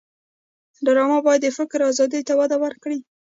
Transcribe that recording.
ډرامه باید د فکر آزادۍ ته وده ورکړي